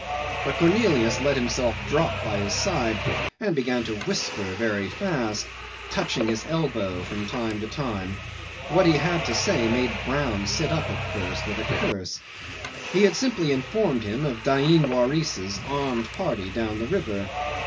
But Cornelius let himself drop by his side and began to whisper very fast, touching his elbow from time to time. What he had to say made Brown sit up at first, with a curse. He had simply informed him of Dain Waris's armed party down the river.